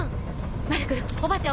マルクルおばあちゃん